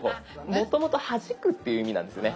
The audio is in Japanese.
もともと「はじく」っていう意味なんですよね